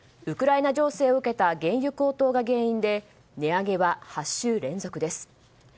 ウクライナ情勢を受けた原油高騰が原因で値上げは８週連続です。